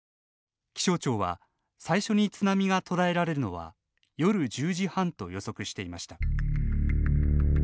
気象庁は最初に津波が捉えられるのは夜１０時半と予測していました。